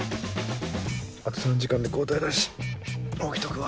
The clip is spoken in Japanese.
あと３時間で交代だし起きとくわ。